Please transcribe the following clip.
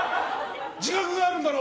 自覚があるんだろう！